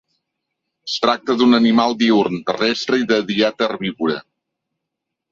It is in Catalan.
Es tracta d'un animal diürn, terrestre i de dieta herbívora.